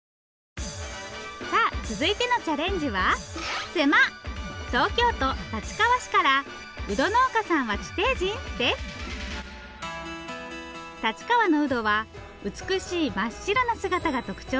さあ続いてのチャレンジは立川のウドは美しい真っ白な姿が特徴です